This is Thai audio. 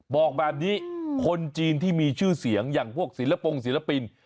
บอกแบบนี้คนจีนที่มีชื่อเสียงอย่างพวกศิลปงศิลปิน